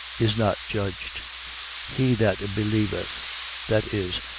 Is not judged. . .He that believeth, viz.